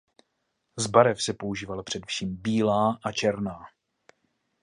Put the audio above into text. Z barev se používala především bílá a černá.